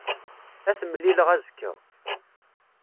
Ad t-mlileɣ azekka.